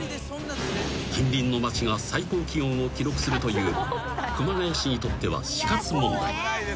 ［近隣の町が最高気温を記録するという熊谷市にとっては死活問題］